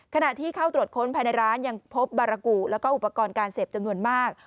ขณะที่เข้าตรวจค้นภายในร้านยังพบบารกุแล้วก็อุปกรณ์การเสพจำนวนมาก